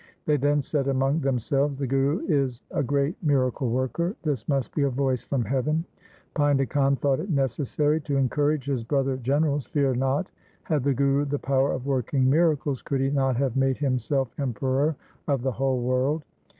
They then said among themselves, ' The Guru is a great miracle worker. This must be a voice from heaven.' Painda Khan thought it necessary to encourage his brother generals, ' Fear not ; had the Guru the power of working miracles, could he not have made himself emperor of the whole world